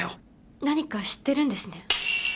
何か知ってるんですね？